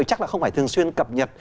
chắc là không phải thường xuyên cập nhật